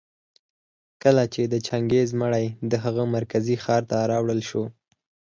کله چي د چنګېز مړى د هغه مرکزي ښار ته راوړل شو